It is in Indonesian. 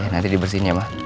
nanti dibersihin ya ma